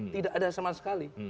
tidak ada sama sekali